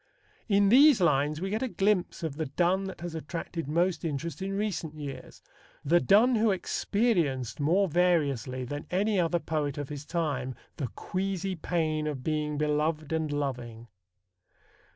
In these lines we get a glimpse of the Donne that has attracted most interest in recent years the Donne who experienced more variously than any other poet of his time "the queasy pain of being beloved and loving."